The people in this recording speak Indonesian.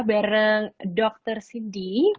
bareng dokter sidi